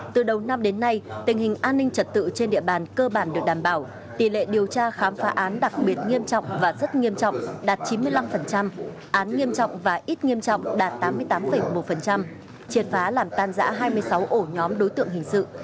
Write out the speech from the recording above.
từ đầu năm đến nay tình hình an ninh trật tự trên địa bàn cơ bản được đảm bảo tỷ lệ điều tra khám phá án đặc biệt nghiêm trọng và rất nghiêm trọng đạt chín mươi năm án nghiêm trọng và ít nghiêm trọng đạt tám mươi tám một triệt phá làm tan giã hai mươi sáu ổ nhóm đối tượng hình sự